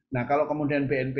nah kalau kemudian berhenti